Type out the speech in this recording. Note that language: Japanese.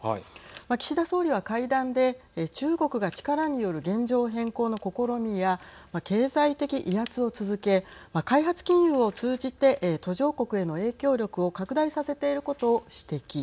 岸田総理は会談で中国が力による現状変更の試みや経済的威圧を続け開発金融を通じて途上国への影響力を拡大させていることを指摘。